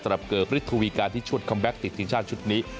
สำหรับเกอร์กริสทุวีการที่ชวดคอมแบ็คติดติชั่นชุดนี้